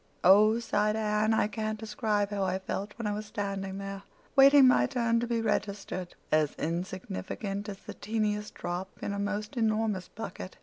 "Oh," sighed Anne. "I can't describe how I felt when I was standing there, waiting my turn to be registered—as insignificant as the teeniest drop in a most enormous bucket.